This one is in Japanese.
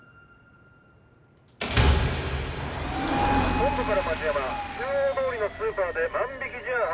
本部から町山中央通りのスーパーで万引事案発生。